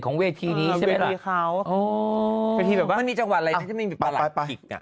ของเวทีนี้ค่ะอ่อไม่มีจังหวัดอะไรจะไม่มีปลาแบบกิ๊กอ่ะ